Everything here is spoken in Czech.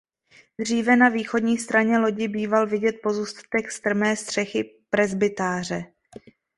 Dříve na východní straně lodi býval vidět pozůstatek strmé střechy presbytáře.